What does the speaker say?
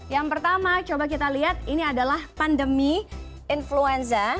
yang pertama coba kita lihat ini adalah pandemi influenza